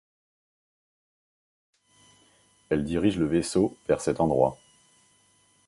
Elle dirige le vaisseau vers cet endroit.